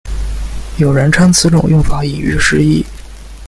有人称此种用法引喻失义。